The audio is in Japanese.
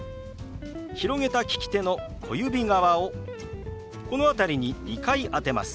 広げた利き手の小指側をこの辺りに２回当てます。